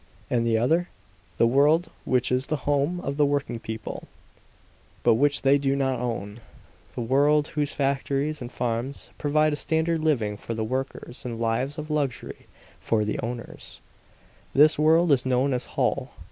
And the other the world which is the home of the working people, but which they do not own; the world whose factories and farms provide a standard living for the workers and lives of luxury for the owners this world is known as Holl.